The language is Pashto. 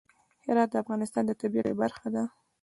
هرات د افغانستان د طبیعت یوه برخه ده.